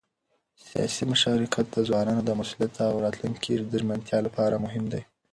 سیاسي مشارکت د ځوانانو د مسؤلیت او راتلونکي د ژمنتیا لپاره مهم دی